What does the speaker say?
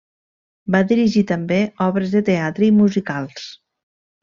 Va dirigir també obres de teatre i musicals.